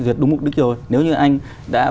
duyệt đúng mục đích rồi nếu như anh đã